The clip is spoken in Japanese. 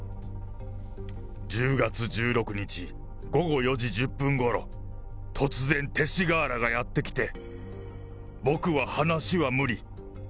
１０月１６日午後４時１０分ごろ、突然、勅使河原がやって来て、僕は話は無理。